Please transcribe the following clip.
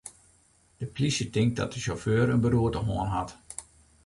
De plysje tinkt dat de sjauffeur in beroerte hân hat.